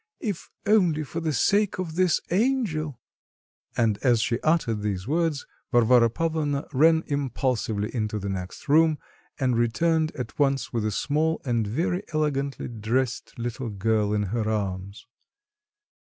if only for the sake of this angel." And as she uttered these words, Varvara Pavlovna ran impulsively into the next room, and returned at once with a small and very elegantly dressed little girl in her arms.